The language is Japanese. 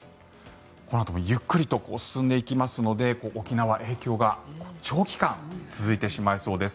このあともゆっくりと進んでいきますので沖縄、影響が長期間続いてしまいそうです。